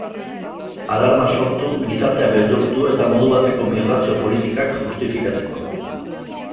Alarma sortu, gizartea beldurtu, eta modu bateko migrazio politikak justifikatzeko.